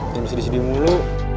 jangan sedih sedih mulu